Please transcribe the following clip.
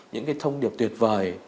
những cái thông điệp tuyệt vời